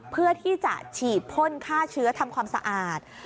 เพื่อที่จะฉีดพ่นฆ่าเชื้อทำความสะอาด